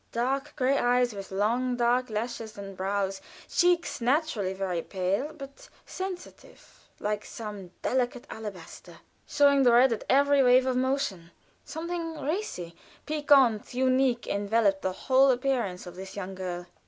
Dark gray eyes, with long dark lashes and brows; cheeks naturally very pale, but sensitive, like some delicate alabaster, showing the red at every wave of emotion; something racy, piquant, unique, enveloped the whole appearance of this young girl.